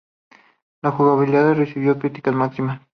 La jugabilidad recibió críticas mixtas.